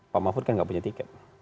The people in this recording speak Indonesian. pak mahfud kan nggak punya tiket